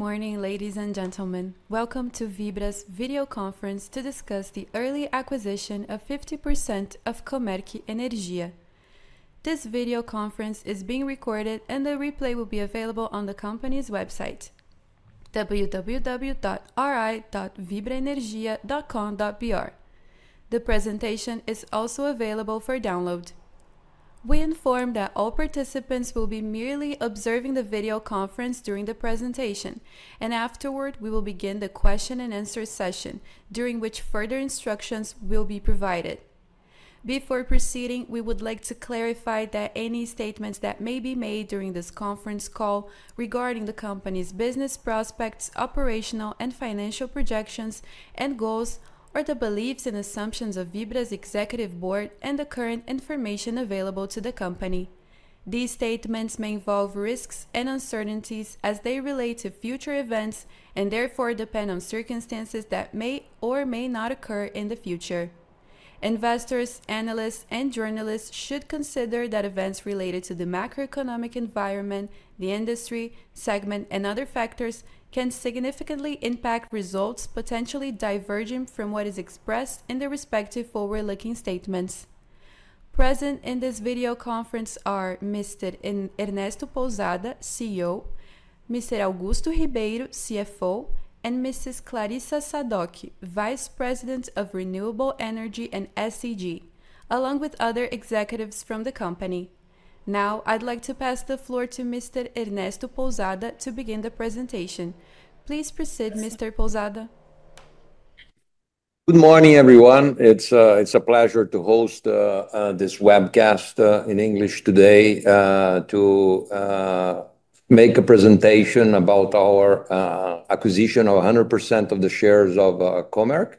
Good morning, ladies and gentlemen. Welcome to Vibra's video conference to discuss the early acquisition of 50% of Comerc Energia. This video conference is being recorded, and the replay will be available on the company's website, www.ri.vibraenergia.com.br. The presentation is also available for download. We inform that all participants will be merely observing the video conference during the presentation, and afterward, we will begin the question and answer session, during which further instructions will be provided. Before proceeding, we would like to clarify that any statements that may be made during this conference call regarding the company's business prospects, operational and financial projections and goals, or the beliefs and assumptions of Vibra's executive board and the current information available to the company. These statements may involve risks and uncertainties as they relate to future events, and therefore depend on circumstances that may or may not occur in the future. Investors, analysts, and journalists should consider that events related to the macroeconomic environment, the industry, segment, and other factors can significantly impact results, potentially diverging from what is expressed in the respective forward-looking statements. Present in this video conference are Mr. Ernesto Pousada, CEO, Mr. Augusto Ribeiro, CFO, and Mrs. Clarissa Sadock, Vice President of Renewable Energy and ESG, along with other executives from the company. Now, I'd like to pass the floor to Mr. Ernesto Pousada to begin the presentation. Please proceed, Mr. Pousada. Good morning, everyone. It's a pleasure to host this webcast in English today to make a presentation about our acquisition of 100% of the shares of Comerc,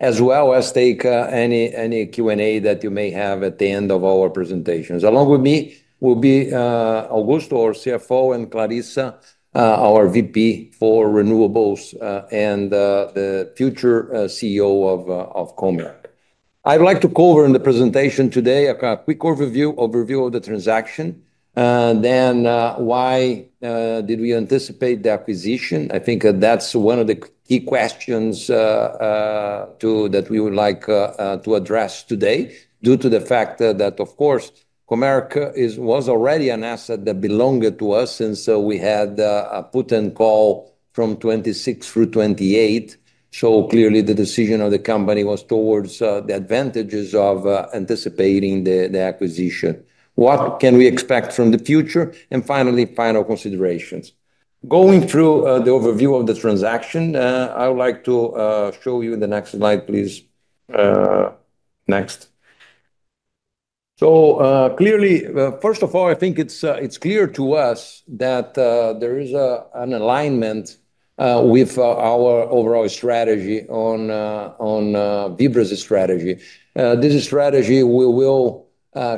as well as take any Q&A that you may have at the end of our presentations. Along with me will be Augusto, our CFO, and Clarissa, our VP for renewables, and the future CEO of Comerc. I'd like to cover in the presentation today a quick overview of the transaction. Then, why did we anticipate the acquisition? I think that's one of the key questions that we would like to address today, due to the fact that, of course, Comerc was already an asset that belonged to us, and so we had a put and call from 2026 through 2028. So clearly, the decision of the company was towards the advantages of anticipating the acquisition. What can we expect from the future? Finally, final considerations. Going through the overview of the transaction, I would like to show you the next slide, please. Next. Clearly, first of all, I think it's clear to us that there is an alignment with our overall strategy on Vibra's strategy. This strategy, we will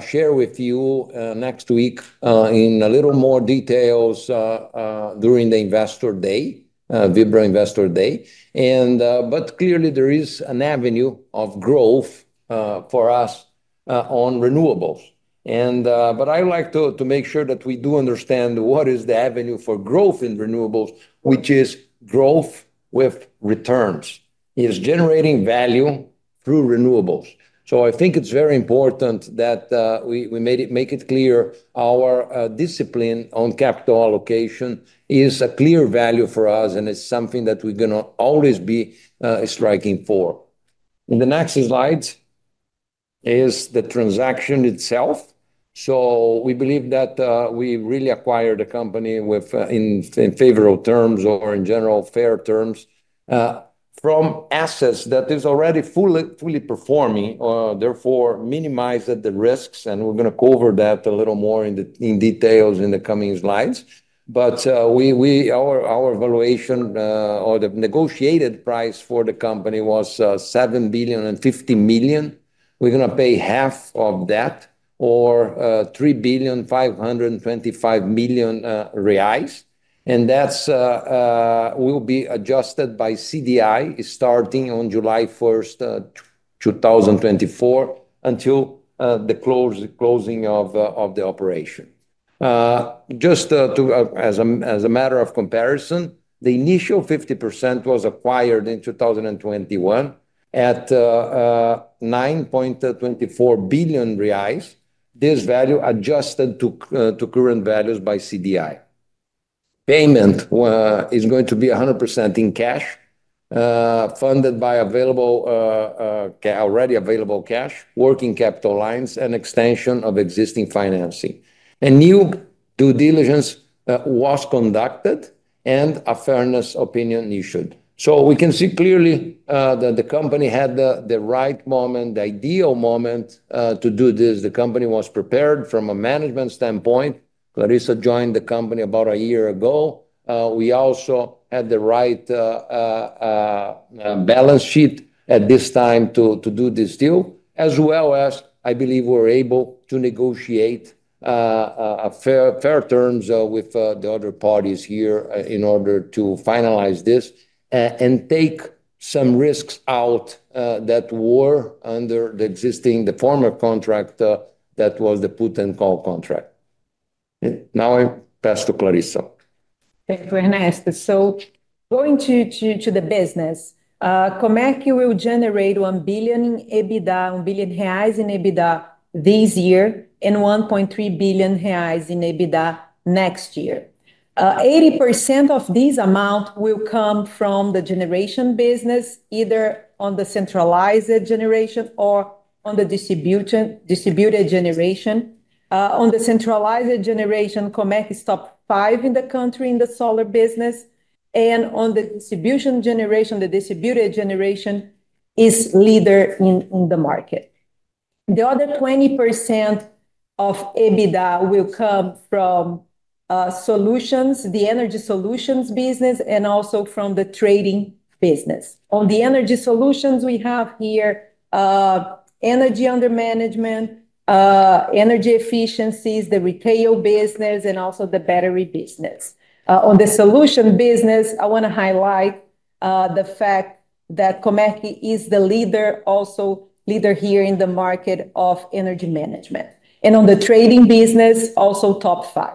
share with you next week in a little more details during the Investor Day, Vibra Investor Day. But clearly, there is an avenue of growth for us on renewables. But I would like to make sure that we do understand what is the avenue for growth in renewables, which is growth with returns, is generating value through renewables. I think it's very important that we make it clear, our discipline on capital allocation is a clear value for us, and it's something that we're gonna always be striving for. In the next slide is the transaction itself. We believe that we really acquired a company with in favorable terms or in general, fair terms from assets that is already fully performing, therefore minimized the risks, and we're gonna cover that a little more in details in the coming slides. Our valuation or the negotiated price for the company was 7 billion and 50 million. We're gonna pay half of that or 3 billion, 525 million reais, and that will be adjusted by CDI, starting on July first, 2024, until the closing of the operation. Just to as a matter of comparison, the initial 50% was acquired in 2021 at 9.24 billion reais. This value adjusted to to current values by CDI. Payment is going to be 100% in cash, funded by already available cash, working capital lines, and extension of existing financing. A new due diligence was conducted and a fairness opinion issued so we can see clearly that the company had the right moment, the ideal moment to do this. The company was prepared from a management standpoint. Clarissa joined the company about a year ago. We also had the right balance sheet at this time to do this deal, as well as, I believe, we were able to negotiate a fair terms with the other parties here in order to finalize this and take some risks out, that were under the existing, the former contract, that was the put and call contract, and now I pass to Clarissa. Thank you, Ernesto. Going to the business, Comerc will generate 1 billion in EBITDA this year, and 1.3 billion reais in EBITDA next year. 80% of this amount will come from the generation business, either on the centralized generation or on the distributed generation. On the centralized generation, Comerc is top five in the country in the solar business, and on the distributed generation, is leader in the market. The other 20% of EBITDA will come from solutions, the energy solutions business, and also from the trading business. On the energy solutions we have here, energy under management, energy efficiencies, the retail business, and also the battery business. On the solution business, I wanna highlight the fact that Comerc is the leader, also leader here in the market of energy management, and on the trading business, also top five.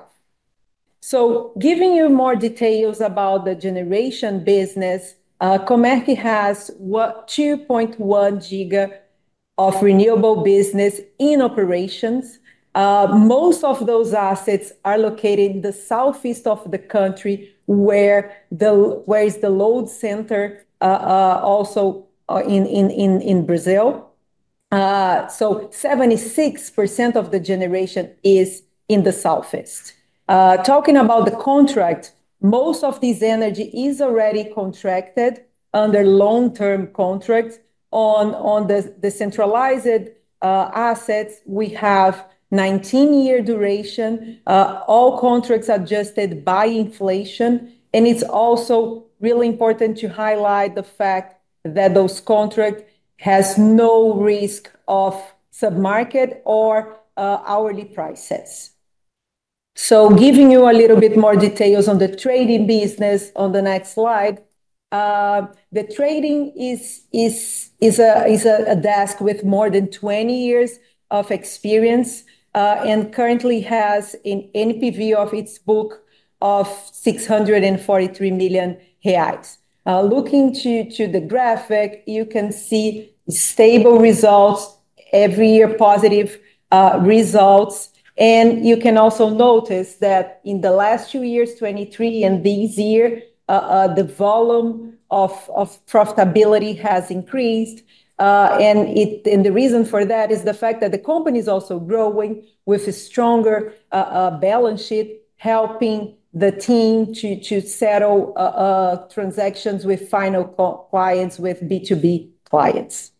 Giving you more details about the generation business, Comerc has 2.1 GW of renewable business in operations. Most of those assets are located in the southeast of the country, where the load center, also in Brazil, so 76% of the generation is in the southeast. Talking about the contract, most of this energy is already contracted under long-term contracts. On the centralized assets, we have 19-year duration, all contracts adjusted by inflation, and it's also really important to highlight the fact that those contract has no risk of sub-market or hourly prices. Giving you a little bit more details on the trading business on the next slide. The trading is a desk with more than twenty years of experience, and currently has an NPV of its book of 643 million reais. Looking to the graphic, you can see stable results, every year positive results. You can also notice that in the last two years, 2023 and this year, the volume of profitability has increased, and the reason for that is the fact that the company's also growing with a stronger balance sheet, helping the team to settle transactions with final co-clients, with B2B clients.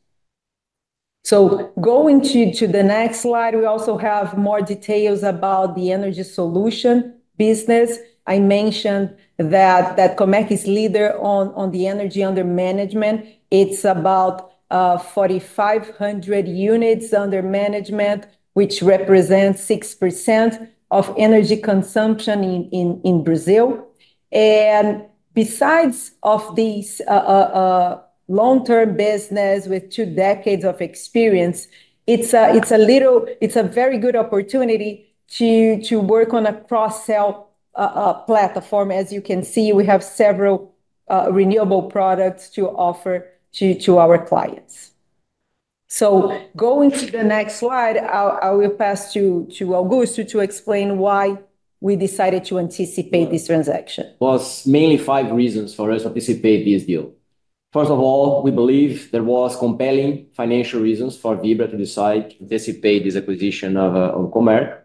Going to the next slide, we also have more details about the energy solution business. I mentioned that Comerc is leader on the energy under management. It's about 4,500 units under management, which represents 6% of energy consumption in Brazil. And besides of this long-term business with two decades of experience, it's a very good opportunity to work on a cross-sell platform. As you can see, we have several renewable products to offer to our clients. So going to the next slide, I will pass to Augusto to explain why we decided to anticipate this transaction. It was mainly five reasons for us to anticipate this deal. First of all, we believe there was compelling financial reasons for Vibra to decide to anticipate this acquisition of Comerc.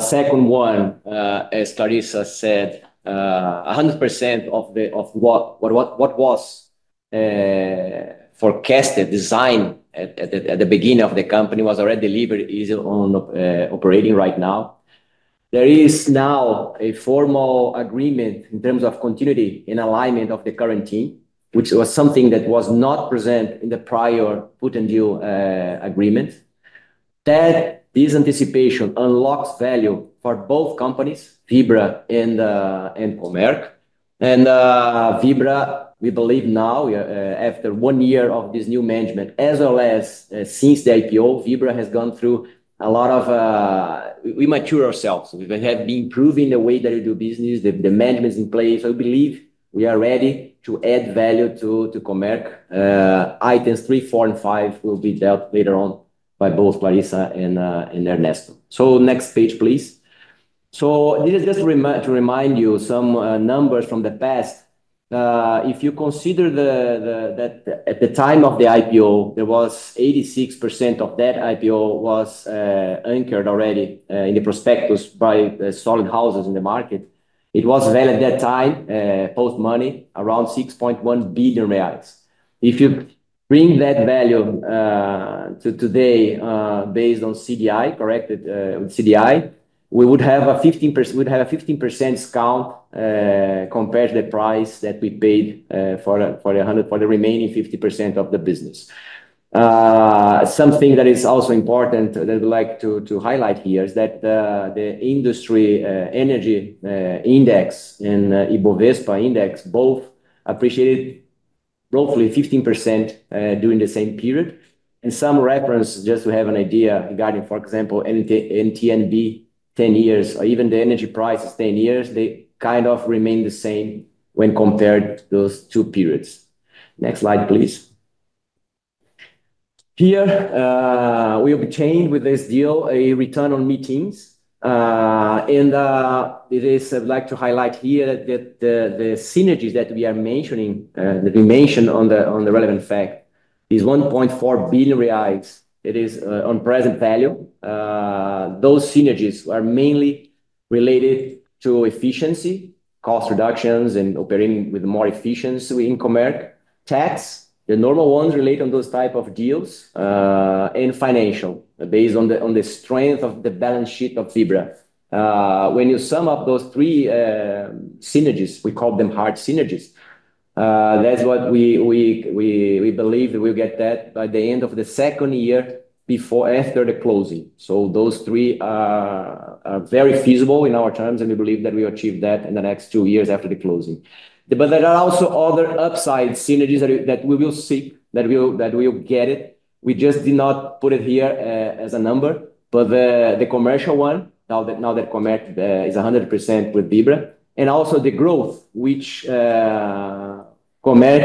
Second one, as Clarissa said, 100% of what was forecasted, designed at the beginning of the company was already delivered, is operating right now. There is now a formal agreement in terms of continuity and alignment of the current team, which was something that was not present in the prior put and call agreement, that this anticipation unlocks value for both companies, Vibra and Comerc. Vibra, we believe now, after one year of this new management, as well as since the IPO, Vibra has gone through a lot, we mature ourselves. We have been improving the way that we do business, the management is in place. I believe we are ready to add value to Comerc. Items three, four, and five will be dealt later on by both Clarissa and Ernesto. Next page, please. This is just to remind you some numbers from the past. If you consider that at the time of the IPO, there was 86% of that IPO was anchored already in the prospectus by the solid houses in the market. It was valued at that time, post-money, around 6.1 billion reais. If you bring that value to today, based on CDI, corrected with CDI, we would have a 15%. We'd have a 15% discount compared to the price that we paid for the remaining 50% of the business. Something that is also important that I'd like to highlight here is that the industry energy index and Bovespa Index both appreciated roughly 15% during the same period. Some reference, just to have an idea regarding, for example, NTN-B 10 years or even the energy prices 10 years, they kind of remain the same when compared to those two periods. Next slide, please. Here we obtained with this deal a return on investment. I'd like to highlight here that the synergies that we are mentioning that we mentioned on the relevant fact is 1.4 billion reais. It is on present value. Those synergies are mainly related to efficiency, cost reductions, and operating with more efficiency in Comerc. Tax, the normal ones relate on those type of deals, and financial, based on the strength of the balance sheet of Vibra. When you sum up those three synergies, we call them hard synergies. That's what we believe that we'll get that by the end of the second year after the closing. Those three are very feasible in our terms, and we believe that we achieve that in the next two years after the closing. But there are also other upside synergies that we will see that we'll get it. We just did not put it here as a number, but the commercial one, now that Comerc is 100% with Vibra, and also the growth, which Comerc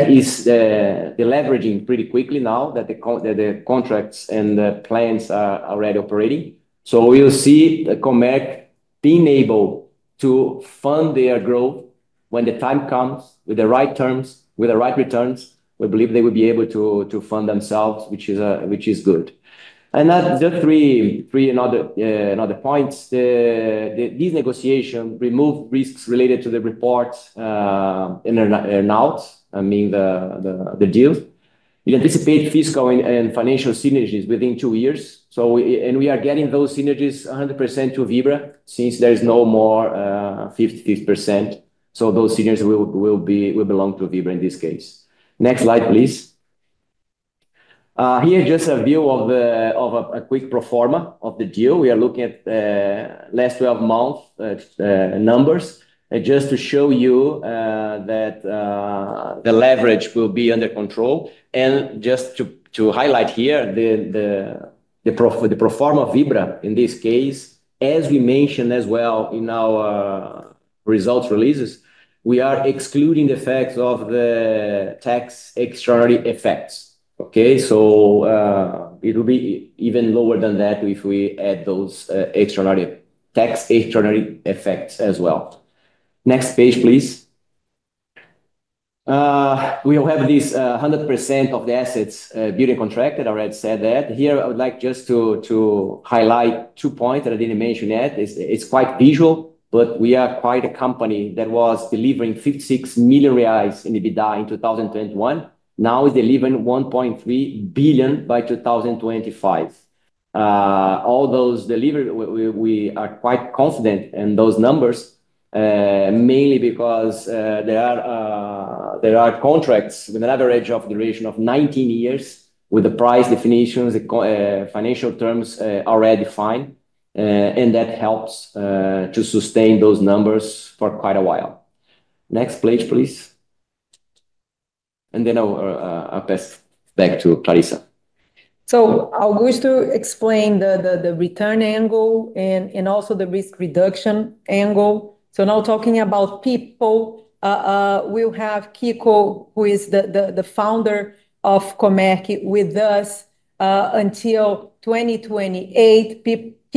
is deleveraging pretty quickly now that the contracts and the plants are already operating. We'll see Comerc being able to fund their growth when the time comes, with the right terms, with the right returns. We believe they will be able to fund themselves, which is good. That, the third, another points, this negotiation removes risks related to the put and call in and out. I mean, the deal. We anticipate fiscal and financial synergies within two years. We are getting those synergies 100% to Vibra, since there is no more 50%. Those synergies will belong to Vibra in this case. Next slide, please. Here, just a view of a quick pro forma of the deal. We are looking at last 12 months numbers, just to show you that the leverage will be under control. Just to highlight here, the pro forma Vibra, in this case, as we mentioned as well in our results releases, we are excluding the effects of the extraordinary tax effects, okay? It will be even lower than that if we add those extraordinary tax effects as well. Next page, please. We will have this 100% of the assets being contracted. I already said that. Here, I would like just to highlight two points that I didn't mention yet. It's quite visual, but we are quite a company that was delivering 56 million reais in EBITDA in 2021. Now, we're delivering 1.3 billion by 2025. All those delivery, we are quite confident in those numbers, mainly because there are contracts with an average duration of 19 years, with the price definitions, the contractual financial terms, already defined, and that helps to sustain those numbers for quite a while. Next page, please. Then I'll pass back to Clarissa. I'll go to explain the return angle and also the risk reduction angle. Now talking about people, we'll have Kiko, who is the founder of Comerc, with us until 2028.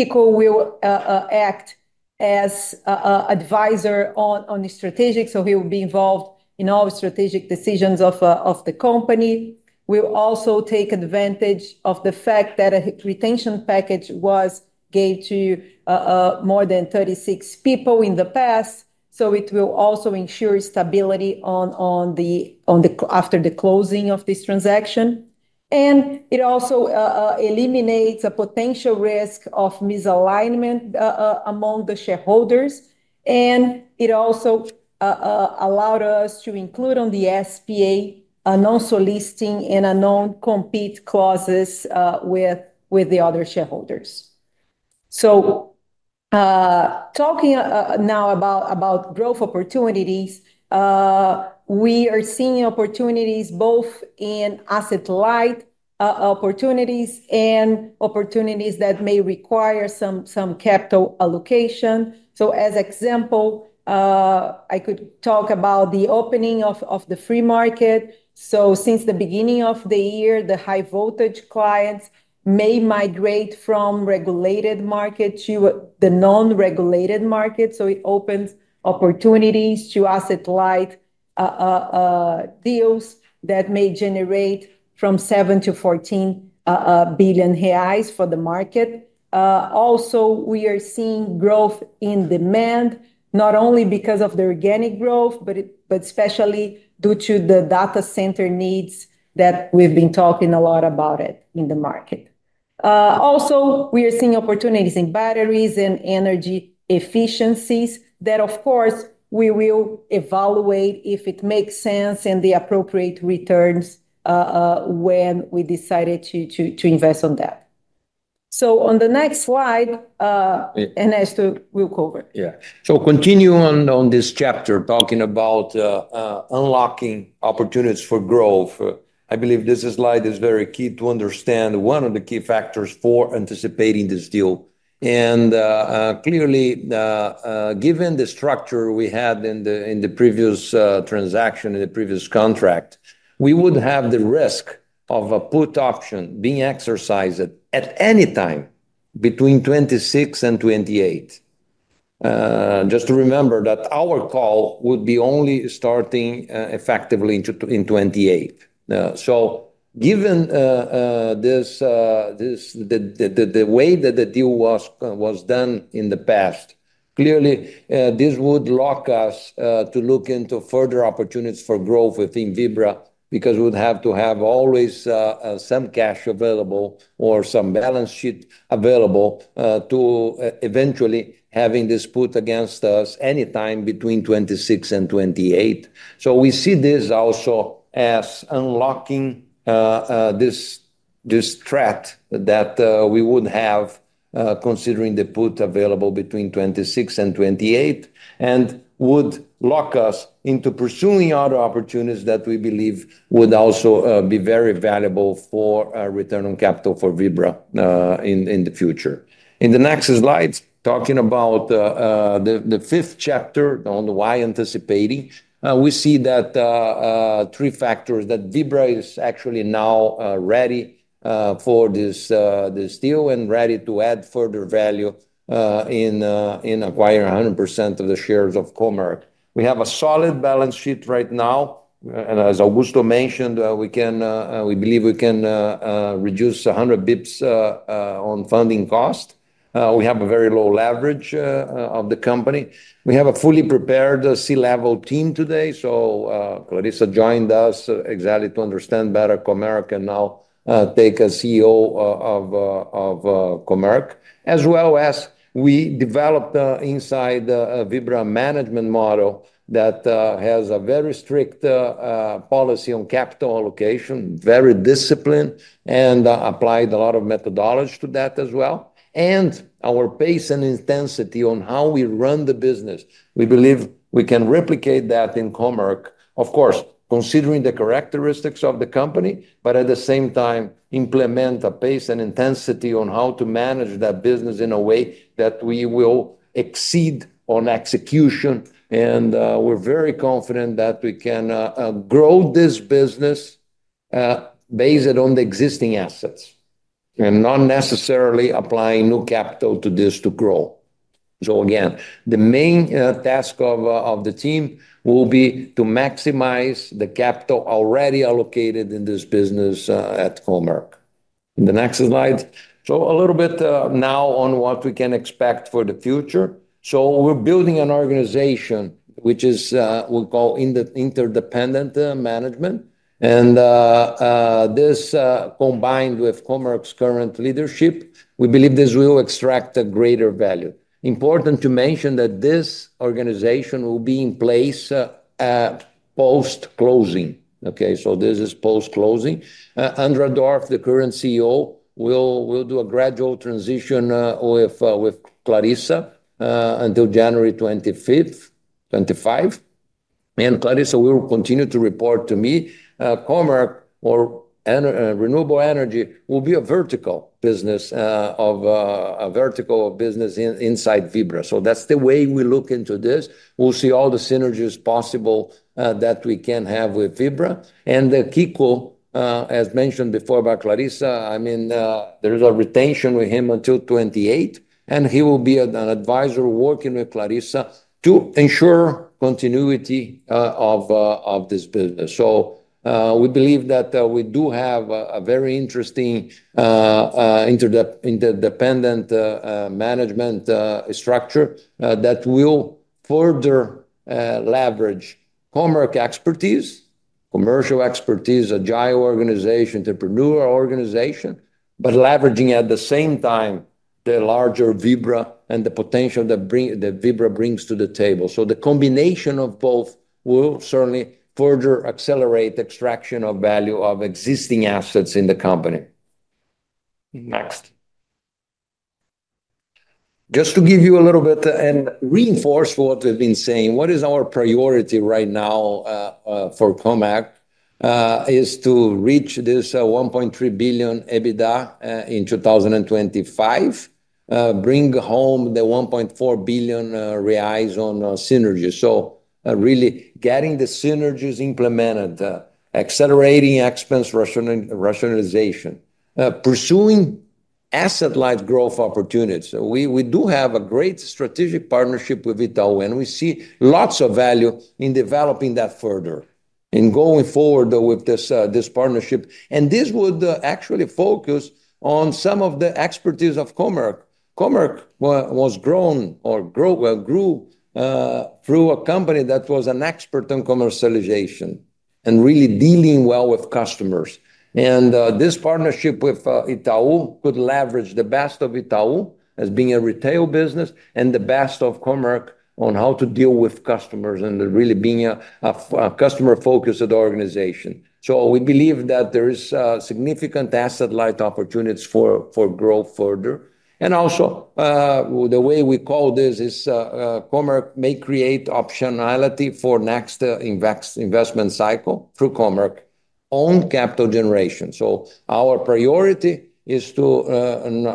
Kiko will act as a advisor on the strategic, so he will be involved in all strategic decisions of the company. We'll also take advantage of the fact that a retention package was gave to more than 36 people in the past, so it will also ensure stability after the closing of this transaction. And it also eliminates a potential risk of misalignment among the shareholders, and it also allowed us to include on the SPA a non-solicitation and a non-compete clauses with the other shareholders. Talking now about growth opportunities, we are seeing opportunities both in asset-light opportunities and opportunities that may require some capital allocation. As example, I could talk about the opening of the free market. Since the beginning of the year, the high voltage clients may migrate from regulated market to the non-regulated market, so it opens opportunities to asset-light deals that may generate from 7 billion-14 billion reais for the market. Also, we are seeing growth in demand, not only because of the organic growth, but especially due to the data center needs that we've been talking a lot about it in the market. Also, we are seeing opportunities in batteries and energy efficiencies that, of course, we will evaluate if it makes sense and the appropriate returns, when we decided to invest on that. So on the next slide. Yeah. Ernesto will cover. Yeah. So continuing on this chapter, talking about unlocking opportunities for growth, I believe this slide is very key to understand one of the key factors for anticipating this deal. And clearly, given the structure we had in the previous transaction, in the previous contract, we would have the risk of a put option being exercised at any time between 2026 and 2028. Just to remember that our call would be only starting effectively in 2028. So given this, the way that the deal was done in the past, clearly this would lock us to look into further opportunities for growth within Vibra, because we would have to have always some cash available or some balance sheet available to eventually having this put against us any time between 2026 and 2028. So we see this also as unlocking this threat that we would have considering the put available between 2026 and 2028, and would lock us into pursuing other opportunities that we believe would also be very valuable for return on capital for Vibra in the future. In the next slides, talking about the fifth chapter on the why anticipating, we see that three factors that Vibra is actually now ready for this deal and ready to add further value in acquiring 100% of the shares of Comerc. We have a solid balance sheet right now, and as Augusto mentioned, we believe we can reduce 100 basis points on funding cost. We have a very low leverage of the company. We have a fully prepared C-level team today, so Clarissa joined us exactly to understand better Comerc and now take as CEO of Comerc. As well as we developed inside Vibra management model that has a very strict policy on capital allocation, very disciplined, and applied a lot of methodology to that as well. Our pace and intensity on how we run the business, we believe we can replicate that in Comerc. Of course, considering the characteristics of the company, but at the same time, implement a pace and intensity on how to manage that business in a way that we will exceed on execution. We're very confident that we can grow this business based on the existing assets, and not necessarily applying new capital to this to grow. Again, the main task of the team will be to maximize the capital already allocated in this business at Comerc. In the next slide, so a little bit now on what we can expect for the future, so we're building an organization, which is, we'll call interdependent management. This combined with Comerc's current leadership, we believe this will extract a greater value. Important to mention that this organization will be in place post-closing. Okay, so this is post-closing. André Dorf, the current CEO, will do a gradual transition with Clarissa until January 25th. Clarissa will continue to report to me, Comerc or renewable energy will be a vertical business, a vertical business inside Vibra. That's the way we look into this. We'll see all the synergies possible that we can have with Vibra. Kiko, as mentioned before by Clarissa, I mean, there is a retention with him until 2028, and he will be an advisor working with Clarissa to ensure continuity of this business. We believe that we do have a very interesting interdependent management structure that will further leverage Comerc expertise, commercial expertise, agile organization, entrepreneurial organization, but leveraging at the same time the larger Vibra and the potential that Vibra brings to the table. So the combination of both will certainly further accelerate extraction of value of existing assets in the company. Next. Just to give you a little bit and reinforce what we've been saying, what is our priority right now for Comerc is to reach this 1.3 billion EBITDA in 2025, bring home the 1.4 billion reais on synergies. So really getting the synergies implemented, accelerating expense rationalization, pursuing asset-light growth opportunities. So we do have a great strategic partnership with Itaú, and we see lots of value in developing that further, in going forward with this partnership. And this would actually focus on some of the expertise of Comerc. Comerc was grown, grew, through a company that was an expert on commercialization and really dealing well with customers. This partnership with Itaú could leverage the best of Itaú as being a retail business, and the best of Comerc on how to deal with customers, and really being a customer-focused organization. We believe that there is significant asset-light opportunities for growth further. Also, the way we call this is, Comerc may create optionality for next investment cycle through Comerc's own capital generation. Our priority is to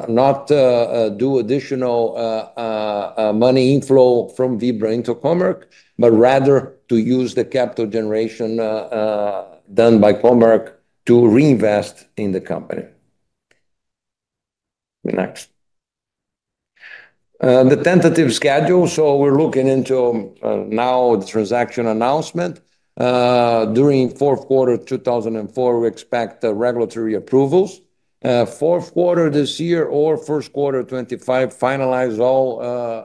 not do additional money inflow from Vibra into Comerc, but rather to use the capital generation done by Comerc to reinvest in the company. Next. The tentative schedule, we're looking into now the transaction announcement during fourth quarter two thousand and four. We expect the regulatory approvals. Fourth quarter this year or first quarter 2025, finalize all,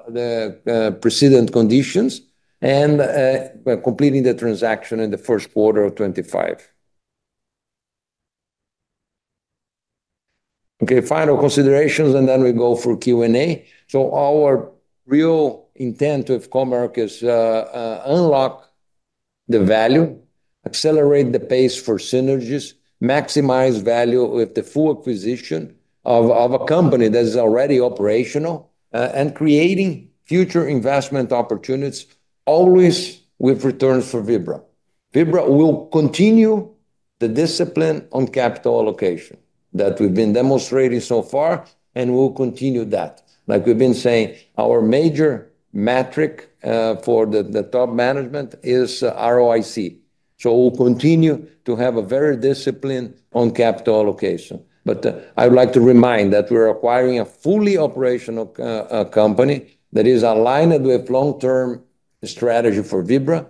the precedent conditions, and we're completing the transaction in the first quarter of 2025. Okay, final considerations, and then we go for Q&A. So our real intent with Comerc is unlock the value, accelerate the pace for synergies, maximize value with the full acquisition of a company that is already operational, and creating future investment opportunities, always with returns for Vibra. Vibra will continue the discipline on capital allocation that we've been demonstrating so far, and we'll continue that. Like we've been saying, our major metric for the top management is ROIC, so we'll continue to have a very discipline on capital allocation. I would like to remind that we're acquiring a fully operational company that is aligned with long-term strategy for Vibra,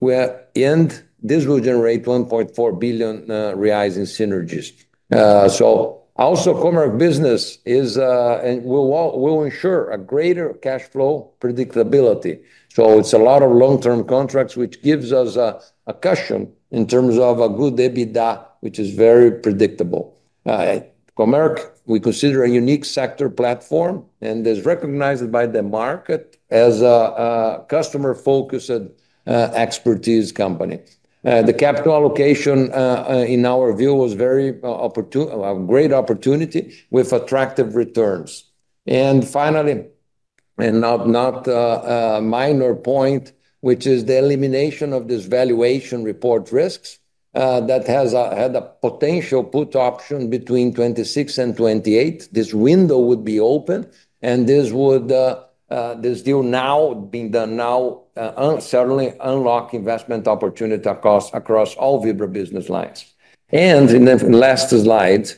where and this will generate 1.4 billion reais rise in synergies. Comerc business is and will ensure a greater cash flow predictability. It's a lot of long-term contracts, which gives us a cushion in terms of a good EBITDA, which is very predictable. Comerc, we consider a unique sector platform, and is recognized by the market as a customer-focused expertise company. The capital allocation in our view was very a great opportunity with attractive returns. Finally, and not a minor point, which is the elimination of this valuation report risks that had a potential put option between 2026 and 2028. This window would be open, and this would, this deal now, being done now, certainly unlock investment opportunity across all Vibra business lines. In the last slide,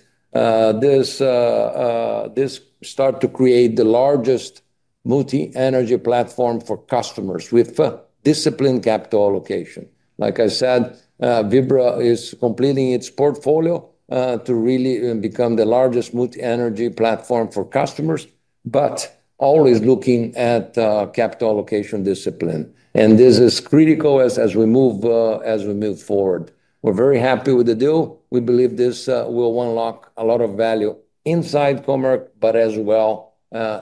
this start to create the largest multi-energy platform for customers with disciplined capital allocation. Like I said, Vibra is completing its portfolio to really become the largest multi-energy platform for customers, but always looking at capital allocation discipline, and this is critical as we move, as we move forward. We're very happy with the deal. We believe this will unlock a lot of value inside Comerc, but as well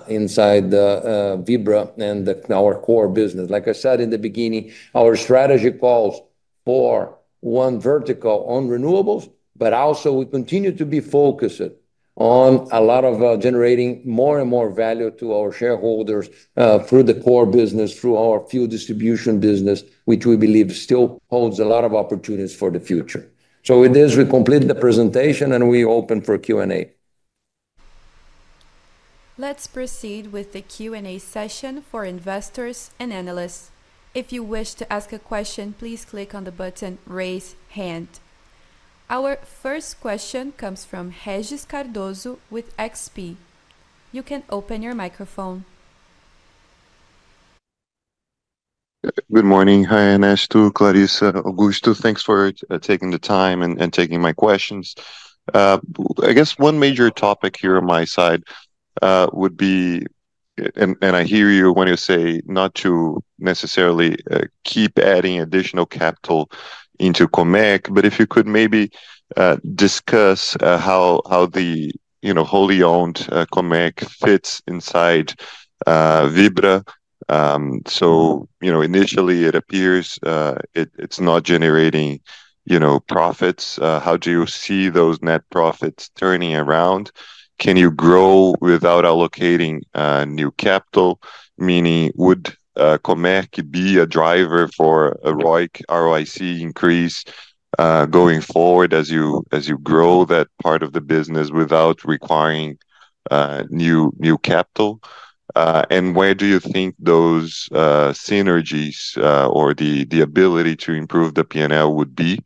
inside the Vibra and our core business. Like I said in the beginning, our strategy calls for one vertical on renewables, but also we continue to be focused on a lot of generating more and more value to our shareholders through the core business, through our fuel distribution business, which we believe still holds a lot of opportunities for the future. So with this, we complete the presentation, and we open for Q&A. Let's proceed with the Q&A session for investors and analysts. If you wish to ask a question, please click on the button, Raise Hand. Our first question comes from Regis Cardoso with XP. You can open your microphone. Good morning. Hi, Ernesto, Clarissa, Augusto. Thanks for taking the time and taking my questions. I guess one major topic here on my side would be, and I hear you when you say not to necessarily keep adding additional capital into Comerc, but if you could maybe discuss how the, you know, wholly owned Comerc fits inside Vibra. So, you know, initially it appears, it's not generating, you know, profits. How do you see those net profits turning around? Can you grow without allocating new capital? Meaning, would Comerc be a driver for a ROIC increase going forward as you grow that part of the business without requiring new capital? Where do you think those synergies or the ability to improve the P&L would be?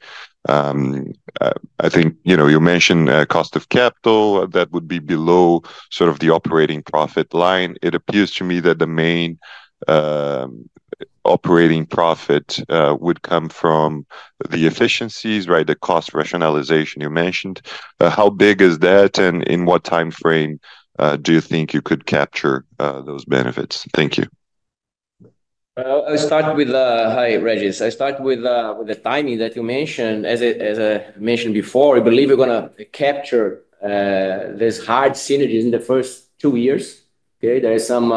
I think, you know, you mentioned cost of capital that would be below sort of the operating profit line. It appears to me that the main operating profit would come from the efficiencies, right? The cost rationalization you mentioned. How big is that, and in what time frame do you think you could capture those benefits? Thank you. Well, I'll start with hi, Regis. I start with the timing that you mentioned. As I mentioned before, I believe we're gonna capture this hard synergies in the first two years. Okay? There is some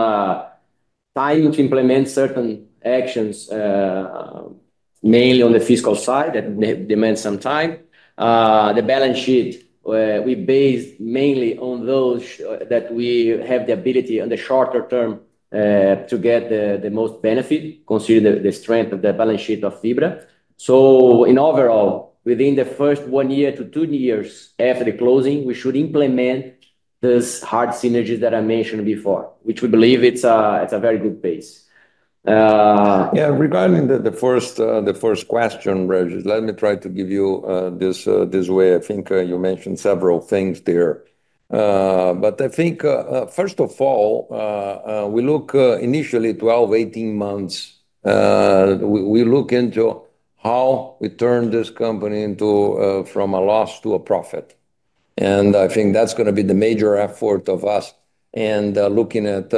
time to implement certain actions mainly on the fiscal side, that may demand some time. The balance sheet we base mainly on those that we have the ability on the shorter term to get the most benefit, considering the strength of the balance sheet of Vibra. So in overall, within the first one year to two years after the closing, we should implement this hard synergies that I mentioned before, which we believe it's a very good base. Yeah, regarding the first question, Regis, let me try to give you this way. I think you mentioned several things there. But I think first of all, we look initially 12-18 months, we look into how we turn this company into from a loss to a profit, and I think that's gonna be the major effort of us. And looking at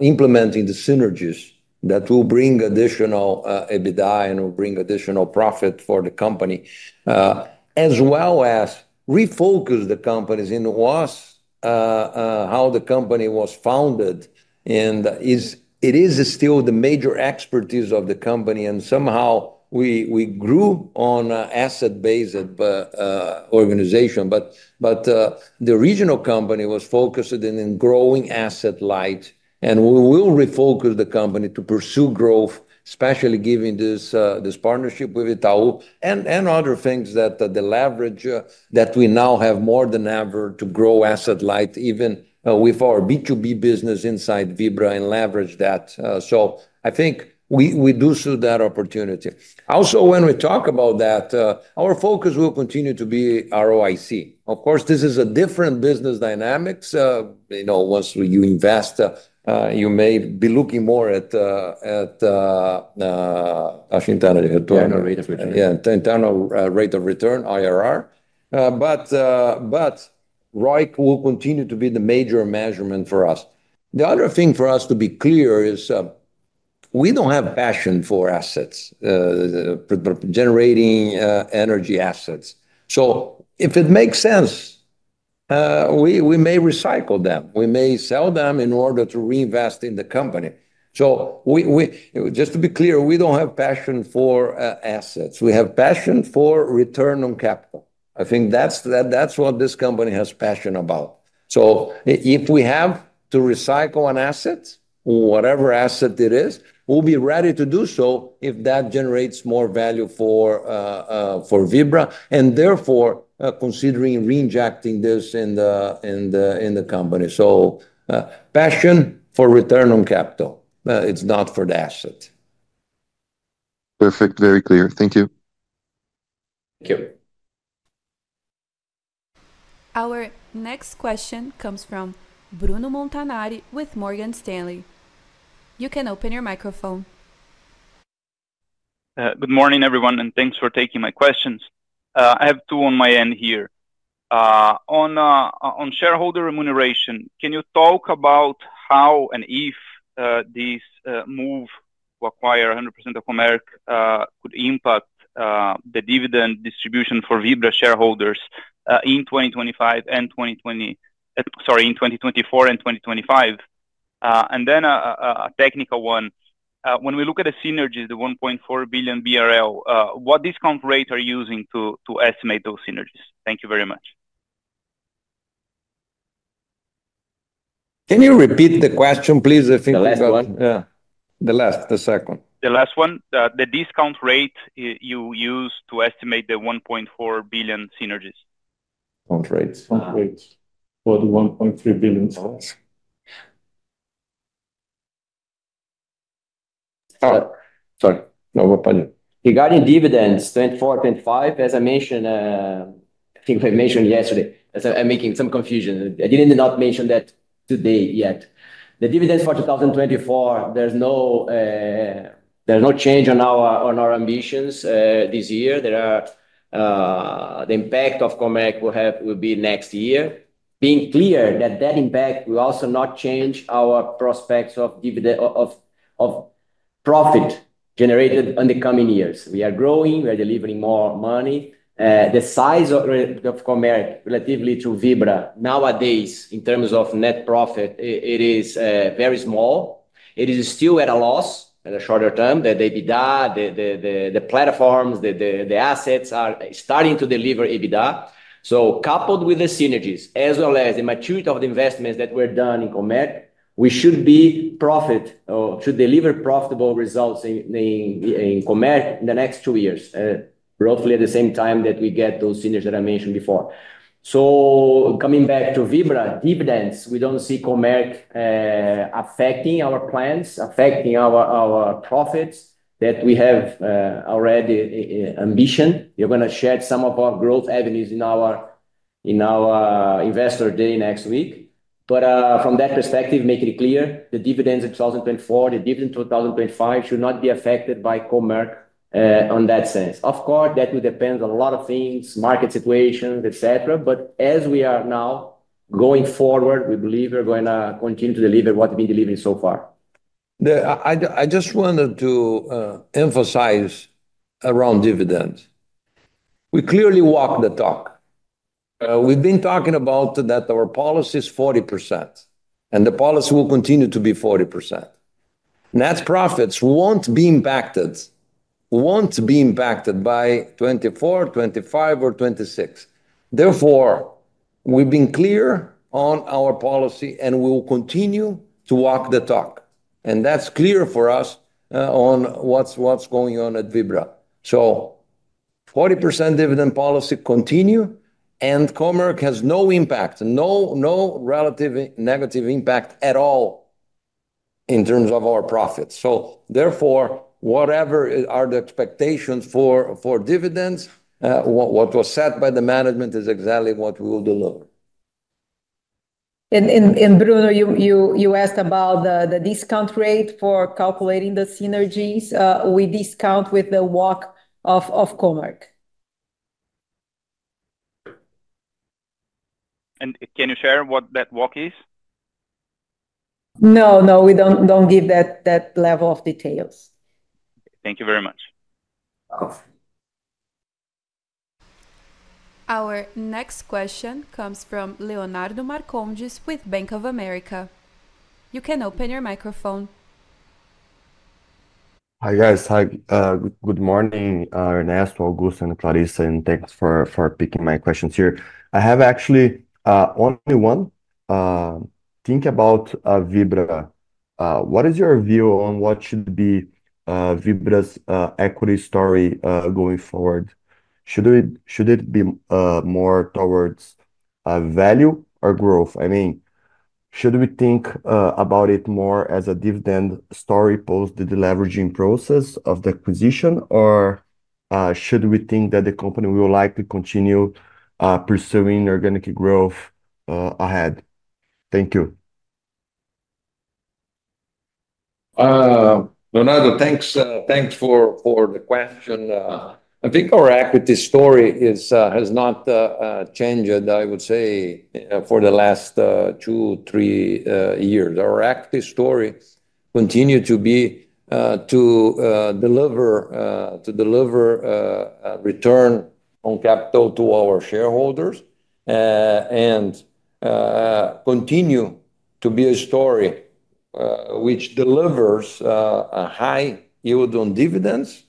implementing the synergies that will bring additional EBITDA, and will bring additional profit for the company. As well as refocus the companies in was how the company was founded, and is. It is still the major expertise of the company, and somehow we grew on a asset base organization. But the regional company was focused in growing asset light, and we will refocus the company to pursue growth, especially given this partnership with Itaú. And other things that the leverage that we now have more than ever to grow asset light, even with our B2B business inside Vibra and leverage that. So I think we do see that opportunity. Also, when we talk about that, our focus will continue to be ROIC. Of course, this is a different business dynamics. You know, once you invest, you may be looking more at internal return. Internal rate of return. Yeah, internal rate of return, IRR. But ROIC will continue to be the major measurement for us. The other thing for us to be clear is, we don't have passion for assets, generating energy assets. So if it makes sense, we may recycle them, we may sell them in order to reinvest in the company. Just to be clear, we don't have passion for assets. We have passion for return on capital. I think that's what this company has passion about. If we have to recycle an asset, whatever asset it is, we'll be ready to do so if that generates more value for Vibra, and therefore, considering reinjecting this in the company. Passion for return on capital, it's not for the asset. Perfect. Very clear. Thank you. Thank you. Our next question comes from Bruno Montanari with Morgan Stanley. You can open your microphone. Good morning, everyone, and thanks for taking my questions. I have two on my end here. On shareholder remuneration, can you talk about how and if this move to acquire 100% of Comerc could impact the dividend distribution for Vibra shareholders in 2024 and 2025? Sorry. And then a technical one. When we look at the synergies, the 1.4 billion BRL, what discount rate are you using to estimate those synergies? Thank you very much. Can you repeat the question, please? I think. The last one. Yeah. The last, the second. The last one. The discount rate you use to estimate the 1.4 billion synergies? Discount rate. Discount rate for the BRL 1.3 billion synergies. Sorry. Regarding dividends, 2024, 2025, as I mentioned, I think I mentioned yesterday, as I'm making some confusion, I didn't not mention that today, yet. The dividends for 2024, there's no change on our ambitions this year. The impact of Comerc will have, will be next year. Being clear that that impact will also not change our prospects of dividend, of profit generated in the coming years. We are growing, we are delivering more money. The size of Comerc, relatively to Vibra, nowadays, in terms of net profit, it is very small. It is still at a loss at a shorter term. The EBITDA, the platforms, the assets are starting to deliver EBITDA. So coupled with the synergies, as well as the maturity of the investments that were done in Comerc, we should be profit, or should deliver profitable results in Comerc in the next two years, roughly at the same time that we get those synergies that I mentioned before. Coming back to Vibra dividends, we don't see Comerc affecting our plans, our profits that we have already ambition. We're gonna share some of our growth avenues in our Investor Day next week. But from that perspective, making it clear, the dividends in 2024, the dividends in 2025 should not be affected by Comerc on that sense. Of course, that will depend on a lot of things, market situations, et cetera, but as we are now, going forward, we believe we're gonna continue to deliver what we've been delivering so far. I just wanted to emphasize around dividends. We clearly walk the talk. We've been talking about that our policy is 40%, and the policy will continue to be 40%. Net profits won't be impacted by 2024, 2025, or 2026. Therefore, we've been clear on our policy, and we will continue to walk the talk, and that's clear for us on what's going on at Vibra. So 40% dividend policy continue, and Comerc has no relative negative impact at all in terms of our profits. So therefore, whatever are the expectations for dividends, what was set by the management is exactly what we will deliver. Bruno, you asked about the discount rate for calculating the synergies. We discount with the WACC of Comerc. Can you share what that WACC is? No, we don't give that level of details. Thank you very much. Okay. Our next question comes from Leonardo Marcondes with Bank of America. You can open your microphone. Hi, guys. Hi, good morning, Ernesto, Augusto, and Clarissa, and thanks for picking my questions here. I have actually only one. Think about Vibra. What is your view on what should be Vibra's equity story going forward? Should it be more towards value or growth? I mean, should we think about it more as a dividend story post the deleveraging process of the acquisition, or should we think that the company will likely continue pursuing organic growth ahead? Thank you. Leonardo, thanks for the question. I think our equity story has not changed, I would say, for the last two, three years. Our equity story continue to be to deliver a return on capital to our shareholders. And continue to be a story which delivers a high yield on dividends,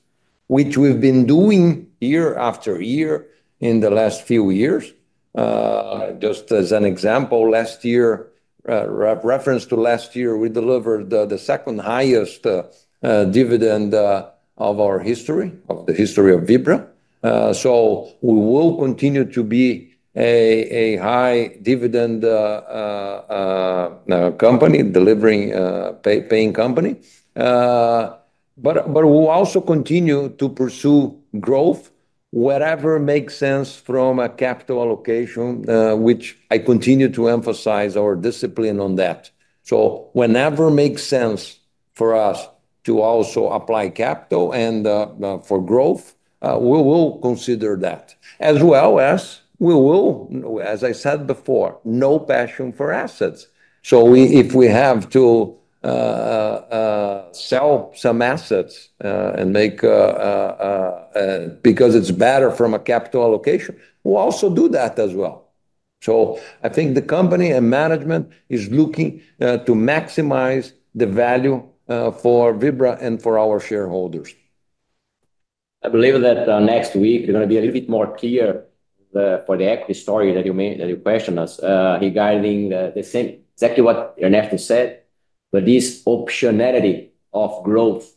which we've been doing year after year in the last few years. Just as an example, last year, reference to last year, we delivered the second highest dividend of the history of Vibra. So we will continue to be a high dividend paying company. But we'll also continue to pursue growth wherever makes sense from a capital allocation, which I continue to emphasize our discipline on that, so whenever makes sense for us to also apply capital and for growth, we will consider that, as well as we will, as I said before, no passion for assets, so if we have to sell some assets and make, because it's better from a capital allocation, we'll also do that as well, so I think the company and management is looking to maximize the value for Vibra and for our shareholders. I believe that, next week we're gonna be a little bit more clear, for the equity story that you made, that you questioned us, regarding, the same, exactly what Ernesto said, but this optionality of growth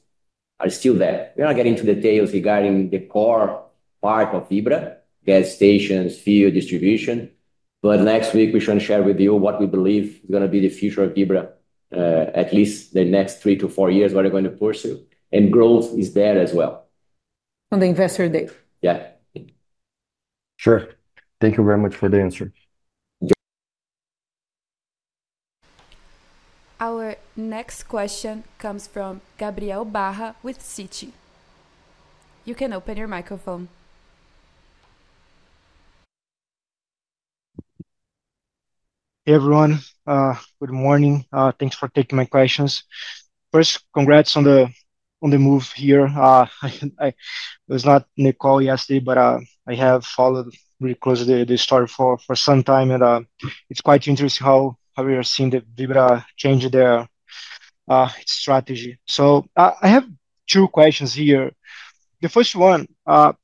are still there. We're not getting into details regarding the core part of Vibra, gas stations, fuel distribution, but next week we shall share with you what we believe is gonna be the future of Vibra, at least the next three to four years, what we're going to pursue, and growth is there as well. On the Investor Day. Yeah. Sure. Thank you very much for the answer. Our next question comes from Gabriel Barra with Citi. You can open your microphone. Hey, everyone. Good morning. Thanks for taking my questions. First, congrats on the move here. I was not in the call yesterday, but I have followed very closely the story for some time, and it's quite interesting how we are seeing the Vibra change their strategy. So, I have two questions here. The first one,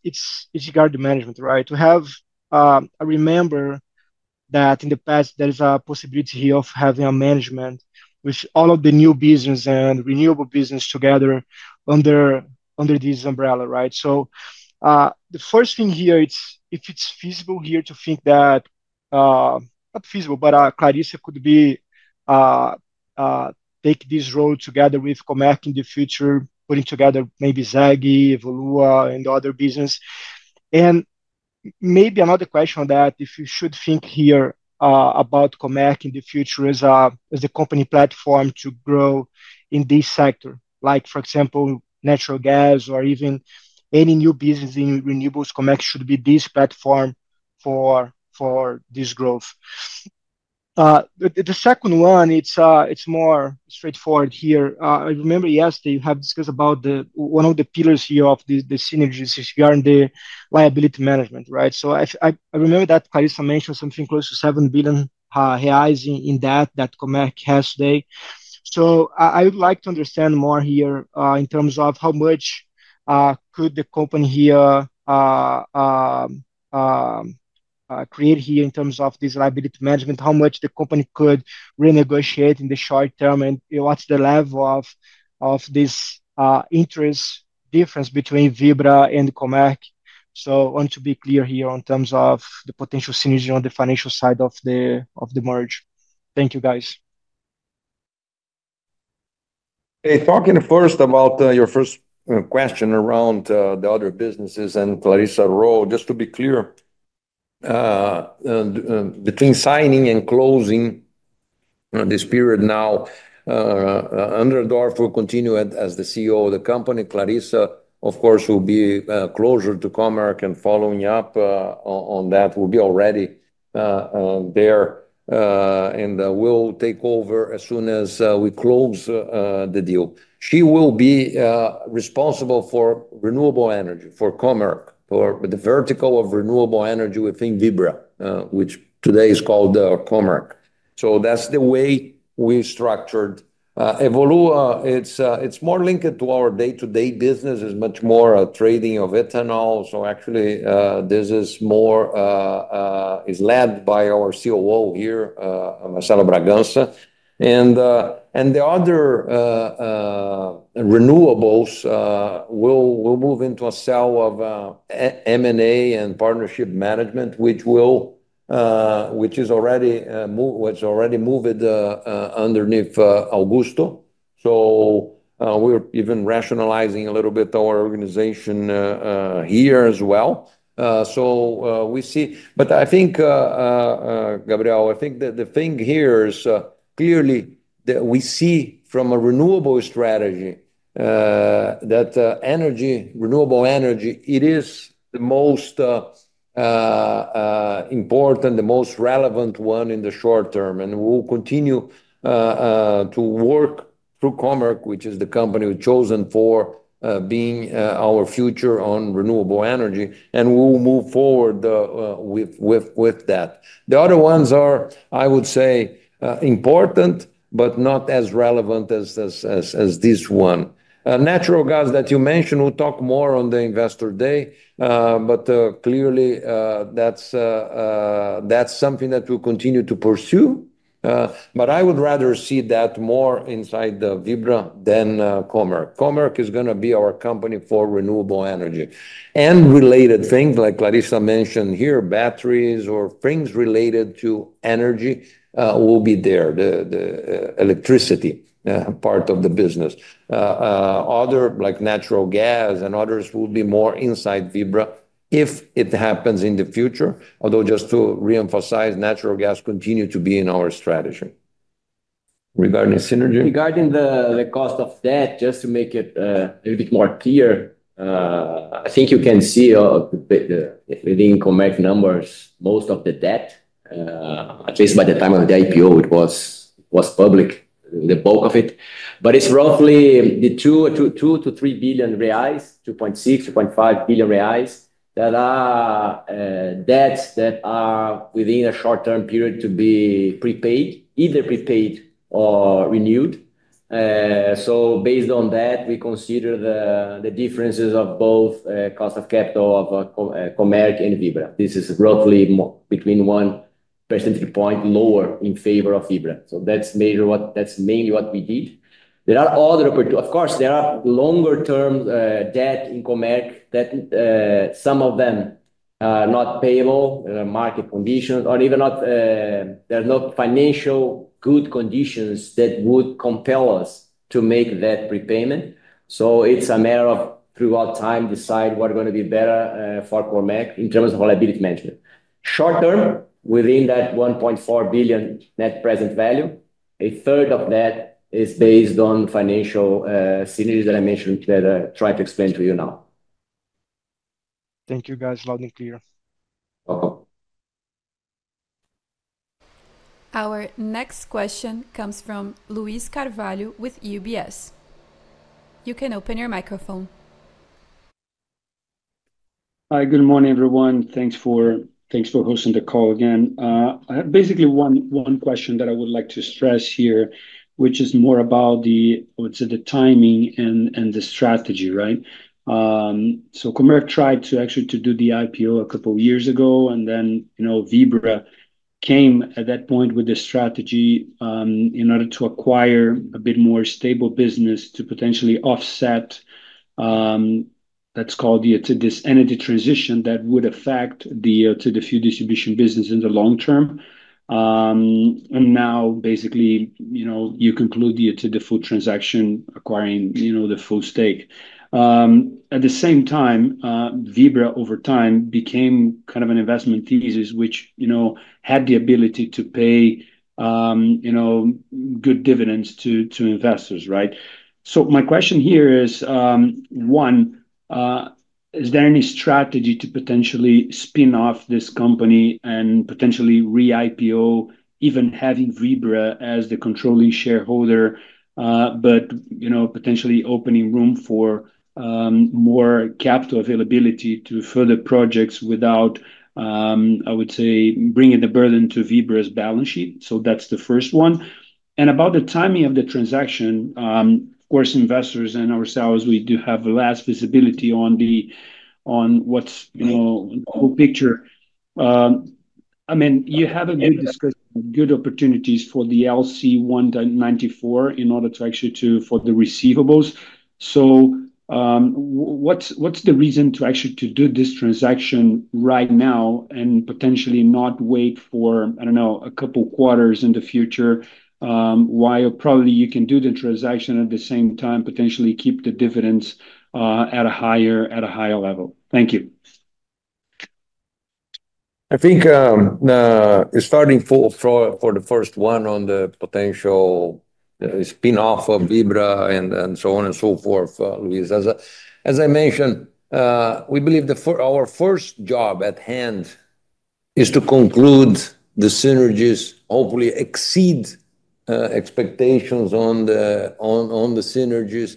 it's regarding management, right? I remember that in the past there is a possibility of having a management with all of the new business and renewable business together under this umbrella, right? So, the first thing here, it's if it's feasible here to think that, not feasible, but Clarissa could take this role together with Comerc in the future, putting together maybe ZEG, Evolua, and other business. Maybe another question: if you should think here about Comerc in the future as a company platform to grow in this sector. Like, for example, natural gas or even any new business in renewables, Comerc should be this platform for this growth. The second one, it's more straightforward here. I remember yesterday you have discussed about the one of the pillars here of the synergies is around the liability management, right? So I remember that Clarissa mentioned something close to 7 billion reais in debt that Comerc has today. So I would like to understand more here in terms of how much could the company here create here in terms of this liability management? How much the company could renegotiate in the short term, and what's the level of this interest difference between Vibra and Comerc? So I want to be clear here in terms of the potential synergy on the financial side of the merger. Thank you, guys. Hey, talking first about your first question around the other businesses and Clarissa role, just to be clear, between signing and closing, this period now, André Dorf will continue as the CEO of the company. Clarissa, of course, will be closer to Comerc and following up on that, will be already there and will take over as soon as we close the deal. She will be responsible for renewable energy, for Comerc, for the vertical of renewable energy within Vibra, which today is called Comerc. So that's the way we structured. Evolua, it's more linked to our day-to-day business, is much more a trading of ethanol. So actually, this is more is led by our COO here, Marcelo Bragança. The other renewables will move into a cell of M&A and partnership management, which is already moved underneath Augusto. We are even rationalizing a little bit our organization here as well. I think, Gabriel, the thing here is clearly that we see from a renewable strategy that energy, renewable energy, is the most important, the most relevant one in the short term, and we will continue to work through Comerc, which is the company we have chosen for being our future on renewable energy, and we will move forward with that. The other ones are, I would say, important, but not as relevant as this one. Natural gas that you mentioned, we'll talk more on the Investor Day. But clearly, that's something that we'll continue to pursue. But I would rather see that more inside the Vibra than Comerc. Comerc is gonna be our company for renewable energy. And related things, like Clarissa mentioned here, batteries or things related to energy, will be there, the electricity part of the business. Other, like natural gas and others, will be more inside Vibra if it happens in the future. Although, just to reemphasize, natural gas continue to be in our strategy. Regarding synergy? Regarding the cost of debt, just to make it a little bit more clear, I think you can see the within Comerc numbers, most of the debt at least by the time of the IPO, it was public, the bulk of it. But it's roughly 2 billion-3 billion reais, 2.6 billion, 2.5 billion reais, that are debts that are within a short-term period to be prepaid, either prepaid or renewed. So based on that, we consider the differences of both cost of capital of Comerc and Vibra. This is roughly between one percentage point lower in favor of Vibra, so that's mainly what we did. There are other, of course, there are longer term debt in Comerc that some of them are not payable market conditions or even not. There are no financial good conditions that would compel us to make that prepayment. So it's a matter of, throughout time, decide what are gonna be better for Comerc in terms of liability management. Short term, within that 1.4 billion net present value, 1/3 of that is based on financial synergies that I mentioned, that I tried to explain to you now. Thank you, guys. Loud and clear. Welcome. Our next question comes from Luiz Carvalho with UBS. You can open your microphone. Hi, good morning, everyone. Thanks for hosting the call again. I have basically one question that I would like to stress here, which is more about the, let's say, the timing and the strategy, right? So Comerc tried to actually do the IPO a couple years ago, and then, you know, Vibra came at that point with a strategy in order to acquire a bit more stable business to potentially offset, let's call it, the energy transition that would affect the fuel distribution business in the long term. And now basically, you know, you've concluded the full transaction, acquiring, you know, the full stake. At the same time, Vibra, over time, became kind of an investment thesis, which, you know, had the ability to pay, you know, good dividends to investors, right? My question here is, one, is there any strategy to potentially spin off this company and potentially re-IPO, even having Vibra as the controlling shareholder, but, you know, potentially opening room for more capital availability to further projects without, I would say, bringing the burden to Vibra's balance sheet? So that's the first one. And about the timing of the transaction, of course, investors and ourselves, we do have less visibility on what's, you know, whole picture. I mean, you have good opportunities for the LC 194 in order to actually, for the receivables. What's the reason to actually to do this transaction right now and potentially not wait for, I don't know, a couple quarters in the future, while probably you can do the transaction at the same time, potentially keep the dividends at a higher level? Thank you. I think, starting for the first one on the potential spin-off of Vibra and so on and so forth, Luiz. As I mentioned, we believe our first job at hand is to conclude the synergies, hopefully exceed expectations on the synergies.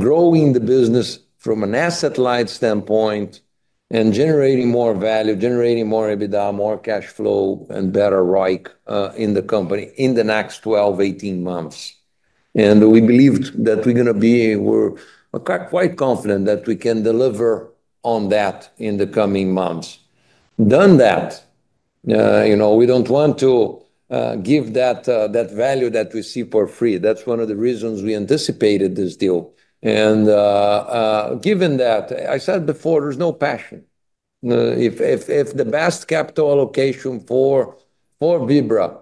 Growing the business from an asset-light standpoint and generating more value, generating more EBITDA, more cash flow, and better ROIC in the company in the next 12, 18 months. And we believe that we're quite confident that we can deliver on that in the coming months. Done that, you know, we don't want to give that value that we see for free. That's one of the reasons we anticipated this deal. And given that, I said before, there's no passion. If the best capital allocation for Vibra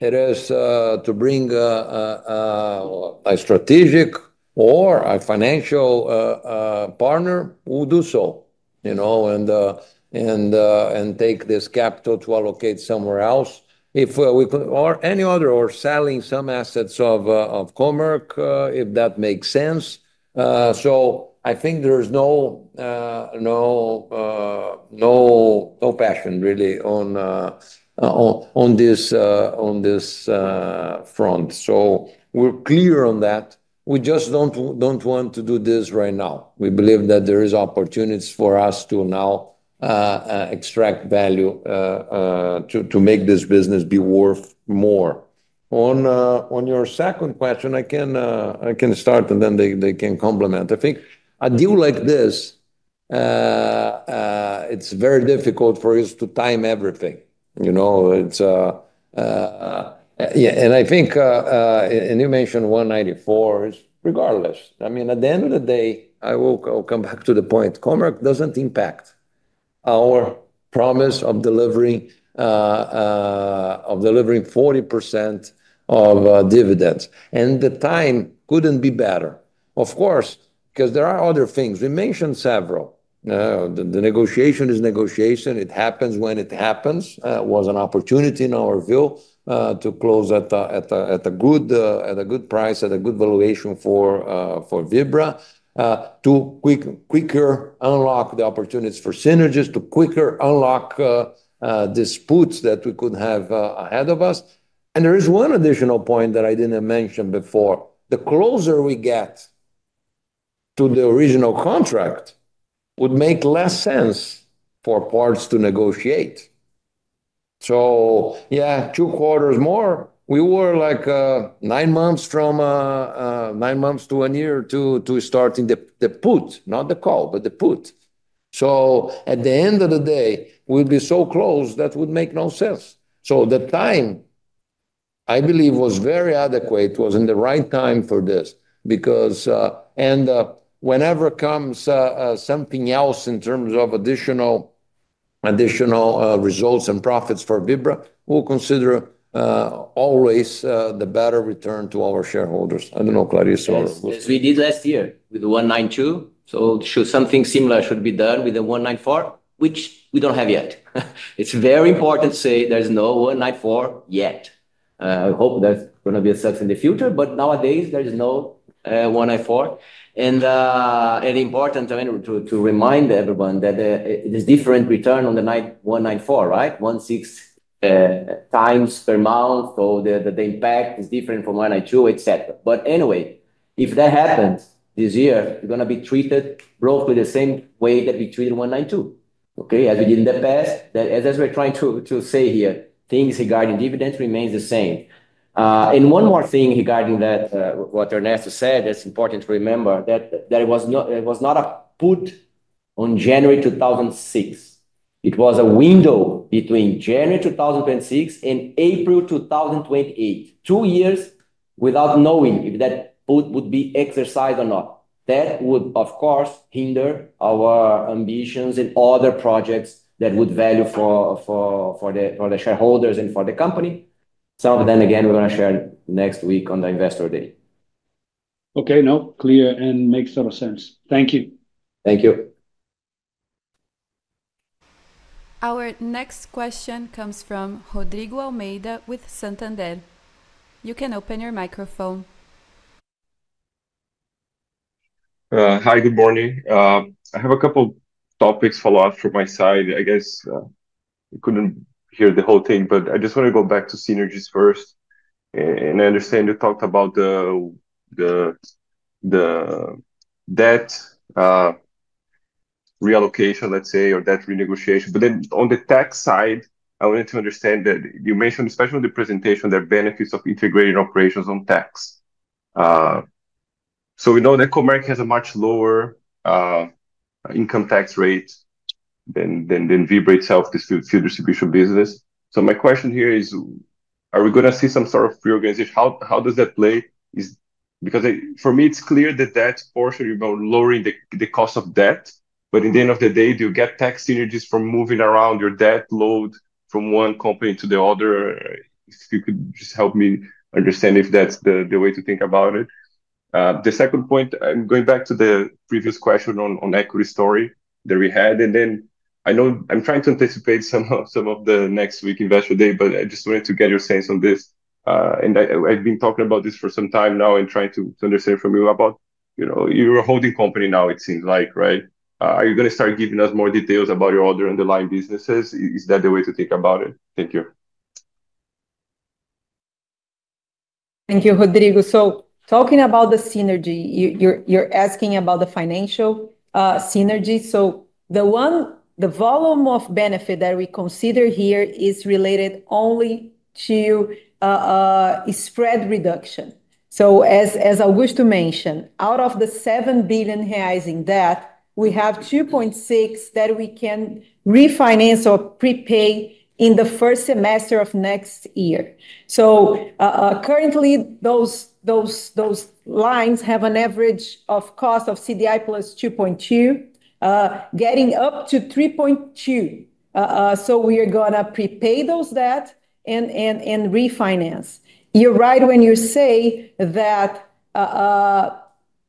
is to bring a strategic or a financial partner, we'll do so, you know, and take this capital to allocate somewhere else. If we could, or any other, or selling some assets of Comerc, if that makes sense. So I think there is no passion really on this front. So we're clear on that. We just don't want to do this right now. We believe that there is opportunities for us to now extract value to make this business be worth more. On your second question, I can start, and then they can complement. I think a deal like this, it's very difficult for us to time everything. Yeah, and I think, and you mentioned 194, is regardless. I mean, at the end of the day, I will, I'll come back to the point, Comerc doesn't impact our promise of delivering 40% of dividends, and the time couldn't be better. Of course, because there are other things. We mentioned several. The negotiation is negotiation. It happens when it happens. It was an opportunity in our view, to close at a good price, at a good valuation for Vibra. To quicker unlock the opportunities for synergies, to quicker unlock the puts that we could have ahead of us. There is one additional point that I didn't mention before. The closer we get to the original contract, would make less sense for parties to negotiate. So yeah, two quarters more, we were like, nine months from, nine months to a year to starting the put, not the call, but the put. So at the end of the day, we'd be so close that would make no sense. So the time, I believe, was very adequate, was in the right time for this. Because whenever comes something else in terms of additional results and profits for Vibra, we'll consider always the better return to our shareholders. I don't know, Clarissa. Yes, as we did last year with the 192, so something similar should be done with the 194, which we don't have yet. It's very important to say there's no 194 yet. I hope that's gonna be a success in the future, but nowadays there is no 194 and important to remind everyone that it is different return on the 194, right? 16 times per month, so the impact is different from 192, et cetera, but anyway, if that happens this year, we're gonna be treated roughly the same way that we treated 192, okay? As we did in the past, as we're trying to say here, things regarding dividends remains the same. One more thing regarding that, what Ernesto said. It's important to remember that there was not a put on January 2026. It was a window between January 2026 and April 2028, two years without knowing if that put would be exercised or not. That would, of course, hinder our ambitions and other projects that would value for the shareholders and for the company. So then again, we're gonna share next week on the Investor Day. Okay. No, clear and makes a lot of sense. Thank you. Thank you. Our next question comes from Rodrigo Almeida with Santander. You can open your microphone. Hi, good morning. I have a couple topics follow up from my side. I guess, I couldn't hear the whole thing, but I just wanna go back to synergies first, and I understand you talked about the debt reallocation, let's say, or debt renegotiation. But then on the tax side, I wanted to understand that you mentioned, especially in the presentation, there are benefits of integrating operations on tax. So we know that Comerc has a much lower income tax rate than Vibra itself, this fuel distribution business. So my question here is, are we gonna see some sort of reorganization? How does that play? Because for me, it's clear that that's partially about lowering the cost of debt, but at the end of the day, do you get tax synergies from moving around your debt load from one company to the other? If you could just help me understand if that's the way to think about it. The second point, I'm going back to the previous question on equity story that we had, and then I know I'm trying to anticipate some of the next week Investor Day, but I just wanted to get your sense on this. I've been talking about this for some time now and trying to understand from you about, you know, you're a holding company now it seems like, right? Are you gonna start giving us more details about your other underlying businesses? Is that the way to think about it? Thank you. Thank you, Rodrigo. Talking about the synergy, you're asking about the financial synergy. The volume of benefit that we consider here is related only to spread reduction. As I wish to mention, out of 7 billion reais in debt, we have 2.6 billion that we can refinance or prepay in the first semester of next year. Currently, those lines have an average cost of CDI plus 2.2, getting up to 3.2. So we are gonna prepay those debt and refinance. You're right when you say that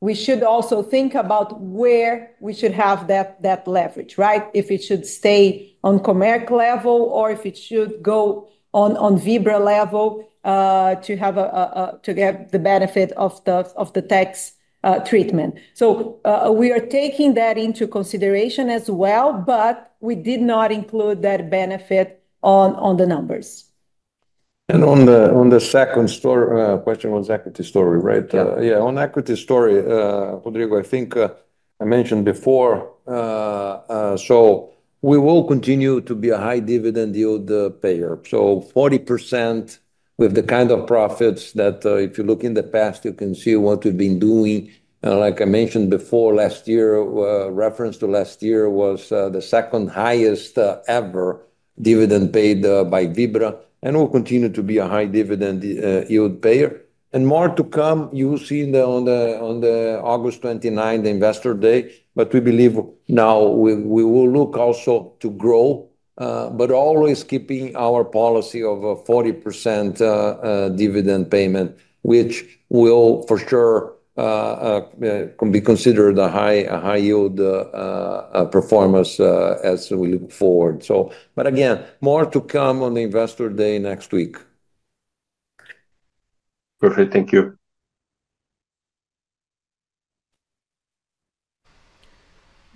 we should also think about where we should have that leverage, right? If it should stay on Comerc level, or if it should go on Vibra level, to get the benefit of the tax treatment. So, we are taking that into consideration as well, but we did not include that benefit on the numbers. On the second story, question was equity story, right? Yeah. Yeah, on equity story, Rodrigo, I think I mentioned before, so we will continue to be a high dividend yield payer. So 40% with the kind of profits that, if you look in the past, you can see what we've been doing. Like I mentioned before, last year, reference to last year was the second highest ever dividend paid by Vibra, and will continue to be a high dividend yield payer. And more to come, you will see on the August 29th, the Investor Day, but we believe now we will look also to grow, but always keeping our policy of a 40% dividend payment, which will for sure can be considered a high-yield performance as we look forward. But again, more to come on the Investor Day next week. Perfect. Thank you.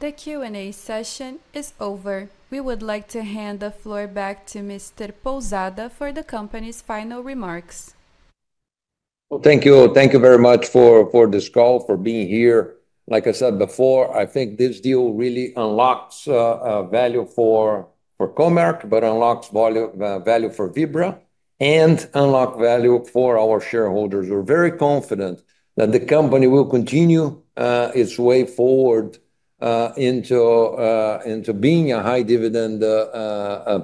The Q&A session is over. We would like to hand the floor back to Mr. Pousada for the company's final remarks. Well, thank you. Thank you very much for this call, for being here. Like I said before, I think this deal really unlocks value for Comerc, but unlocks value for Vibra, and unlock value for our shareholders. We're very confident that the company will continue its way forward into being a high dividend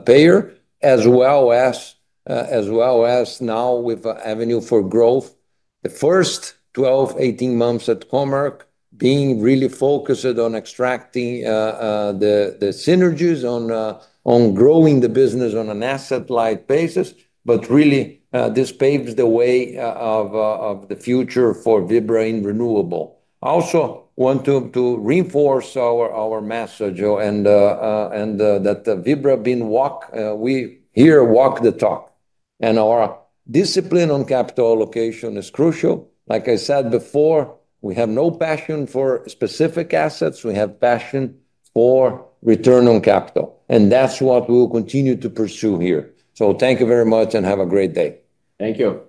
payer, as well as now with avenue for growth. The first 12, 18 months at Comerc, being really focused on extracting the synergies, on growing the business on an asset light basis, but really, this paves the way of the future for Vibra in renewable. I also want to reinforce our message and that Vibra has been walking the talk, and we walk the talk, and our discipline on capital allocation is crucial. Like I said before, we have no passion for specific assets. We have passion for return on capital, and that's what we'll continue to pursue here. Thank you very much and have a great day. Thank you.